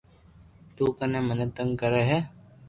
تو ڪو مني تنگ ڪري ھي